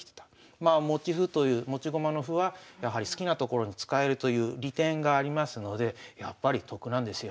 まあ持ち歩という持ち駒の歩はやはり好きな所に使えるという利点がありますのでやっぱり得なんですよ。